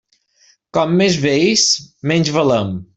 Com més vells, menys valem.